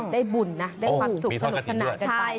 ได้บุญนะได้ความสุขสนุกสนานกันไป